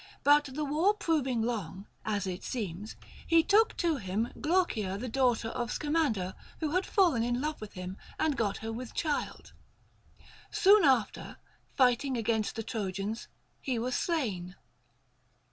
But the war proving long (as it seems), he took to him THE GREEK QUESTIONS. 285 Glaucia the daughter of Scamander who had fallen in love with him, and got her with child : soon after, fight ing against the Trojans, he was slain.